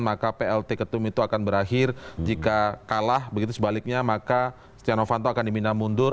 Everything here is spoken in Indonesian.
maka plt ketum itu akan berakhir jika kalah begitu sebaliknya maka setia novanto akan dimina mundur